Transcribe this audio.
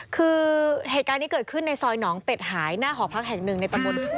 คือเหตุการณ์นี้เกิดขึ้นในซอยหนองเป็ดหายหน้าหอพักแห่งหนึ่งในตะวันศูนย์สุดภาระค่ะ